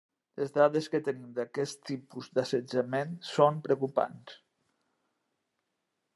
Les dades que tenim d'aquest tipus d'assetjament són preocupants.